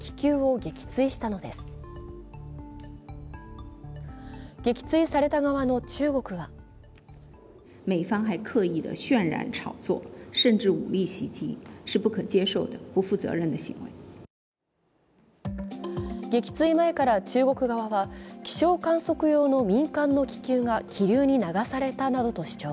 撃墜された側の中国は撃墜前から中国側は気球観測用の民間の気球が気流に流されたなどと主張。